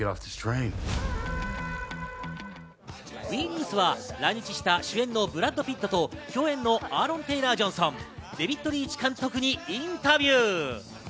ＷＥニュースは来日した主演のブラッド・ピットと共演のアーロン・テイラー＝ジョンソン、デヴィッド・リーチ監督にインタビュー。